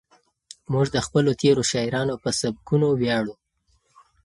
موږ د خپلو تېرو شاعرانو په سبکونو ویاړو.